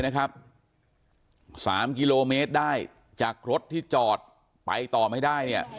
สามกิโลเมตรได้จากรถที่จอดไปต่อไม่ได้เนี่ย